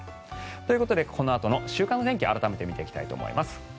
ということでこのあとの週間の天気を改めて見ていきたいと思います。